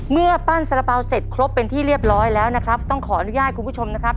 เมื่อปั้นสารเป๋าเสร็จครบเป็นที่เรียบร้อยแล้วนะครับต้องขออนุญาตคุณผู้ชมนะครับ